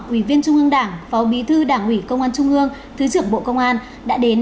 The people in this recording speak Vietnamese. ủy viên trung ương đảng phó bí thư đảng ủy công an trung ương thứ trưởng bộ công an đã đến